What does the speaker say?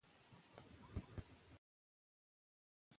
ماشومان د ښو عادتونو له لارې ښه انسانان کېږي